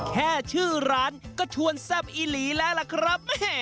แค่ชื่อร้านก็ชวนแซ่บอีหลีแล้วล่ะครับ